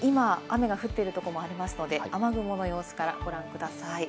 今、雨が降ってるとこもありますので、雨雲の様子からご覧ください。